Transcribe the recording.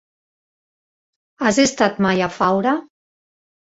Has estat mai a Faura?